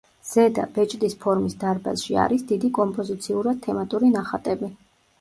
ზედა, ბეჭდის ფორმის დარბაზში არის დიდი კომპოზიციურად თემატური ნახატები.